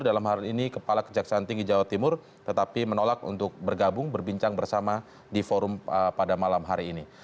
dalam hal ini kepala kejaksaan tinggi jawa timur tetapi menolak untuk bergabung berbincang bersama di forum pada malam hari ini